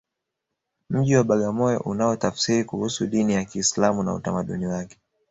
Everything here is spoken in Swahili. mji wa bagamoyo unaotafsiri kuhusu dini ya kiislamu na utamaduni wake